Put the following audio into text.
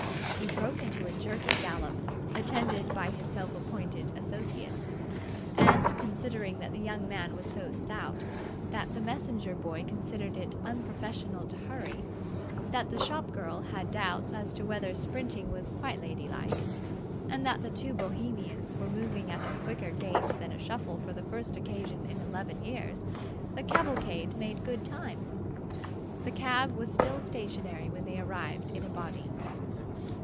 He broke into a jerky gallop, attended by his self appointed associates; and, considering that the young man was so stout, that the messenger boy considered it unprofessional to hurry, that the shop girl had doubts as to whether sprinting was quite ladylike, and that the two Bohemians were moving at a quicker gait than a shuffle for the first occasion in eleven years, the cavalcade made good time. The cab was still stationary when they arrived in a body.